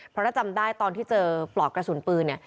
เพราะถ้าจำได้ตอนที่เจอปลอกกระสุนปืน